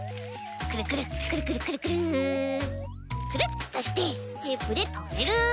くるくるくるくるくるくるくるっとしてテープでとめる。